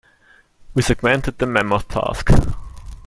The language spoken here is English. We segmented the mammoth task.